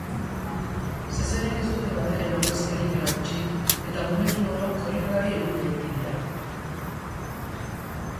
Zezenek ez dute batere nobleziarik erakutsi eta momentu oro korrikalarien bila ibili dira.